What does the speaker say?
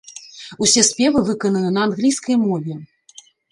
Усе спевы выкананы на англійскай мове.